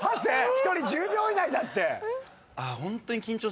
１人１０秒以内だって。